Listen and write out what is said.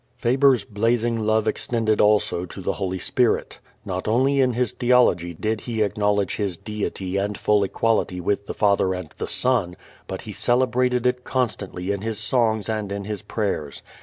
Faber's blazing love extended also to the Holy Spirit. Not only in his theology did he acknowledge His deity and full equality with the Father and the Son, but he celebrated it constantly in his songs and in his prayers.